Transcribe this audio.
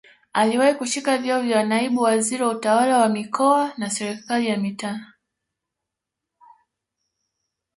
Aliwahi kushika vyeo vya naibu waziri wa utawala wa mikoa na serikali ya mitaa